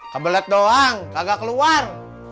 kabelet doang kagak keluar